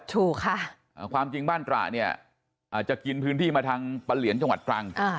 ถูกค่ะความจริงบ้านตระเนี่ยอาจจะกินพื้นที่มาทางปะเหลียนจังหวัดตรัง